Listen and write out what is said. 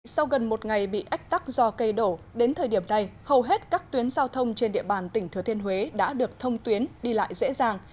sau gần một ngày bị ách tắc do cây đổ đến thời điểm này hầu hết các tuyến giao thông trên địa bàn tỉnh thừa thiên huế đã được thông tuyến đi lại dễ dàng